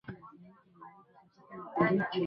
Wanajeshi tisa kanali na mameja watatu